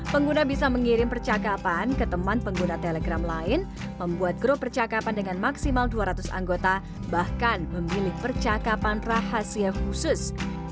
pengguna bisa mengirim percakapan ke teman pengguna telegram lain membuat grup percakapan dengan maksimal dua ratus anggota bahkan memilih percakapan rahasia khusus